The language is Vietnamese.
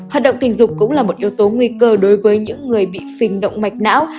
hoạt động tình dục cũng là một yếu tố nguy cơ đối với những người bị phình động mạch não